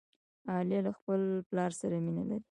عالیه له خپل پلار سره مینه لري.